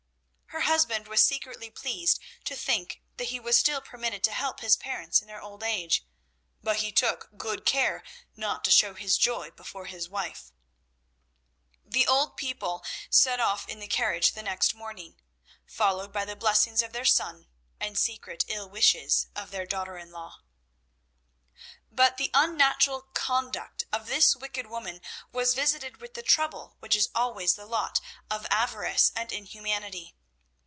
Her husband was secretly pleased to think that he was still permitted to help his parents in their old age, but he took good care not to show his joy before his wife. The old people set off in the carriage the next morning, followed by the blessings of their son and the secret ill wishes of their daughter in law. But the unnatural conduct of this wicked woman was visited with the trouble which is always the lot of avarice and inhumanity.